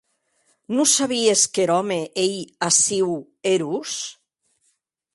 Non sabies qu’er òme ei aciu erós?